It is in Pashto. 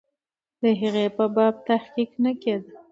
د هغې په باب تحقیق نه کېده.